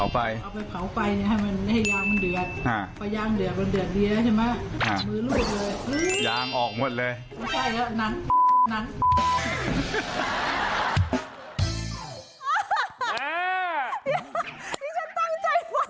ที่ฉันตั้งใจฟัง